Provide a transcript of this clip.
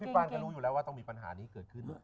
ปานก็รู้อยู่แล้วว่าต้องมีปัญหานี้เกิดขึ้น